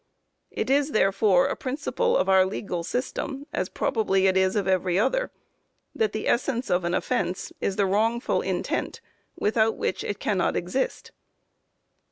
It is, therefore, a principle of our legal system, as probably it is of every other, that the essence of an offence is the wrongful intent without which it cannot exist."